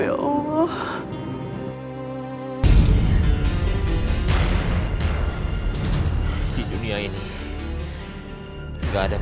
jadi itu yang tergantung